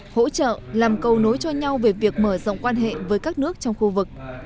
hỗ trợ làm cầu nối cho nhau về việc mở rộng quan hệ với các nước trong khu vực